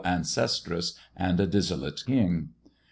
ancestress and a dissolute king.